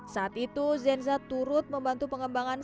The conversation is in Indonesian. saat itu zenza turut membantu pengembangan